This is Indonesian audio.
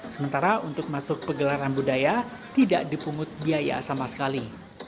sementara untuk masuk pegelaran budaya tidak dipungut biaya sama sekali